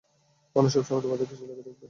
মানুষ সবসময় তোমাদের পিছু লেগে থাকবে।